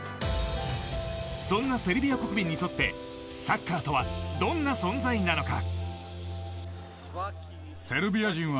そんなセルビア国民にとってサッカーとはどんな存在なのか。